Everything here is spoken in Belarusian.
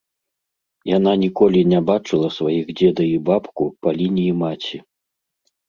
Яна ніколі не бачыла сваіх дзеда і бабку па лініі маці.